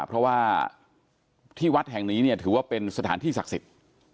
เพราะว่าที่วัดแห่งนี้เนี่ยถือว่าเป็นสถานที่ศักดิ์สิทธิ์